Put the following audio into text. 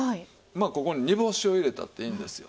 まあここに煮干しを入れたっていいんですよ。